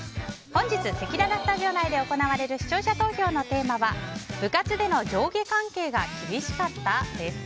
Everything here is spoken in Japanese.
本日、せきららスタジオ内で行われる視聴者投票のテーマは部活での上下関係が厳しかった？です。